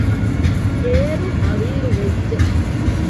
އޭރު ހަވީރުވެއްޖެ